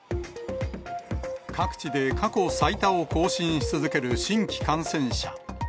各地で過去最多を更新し続ける新規感染者。